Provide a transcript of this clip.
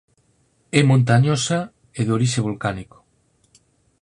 É montañosa e de orixe volcánico.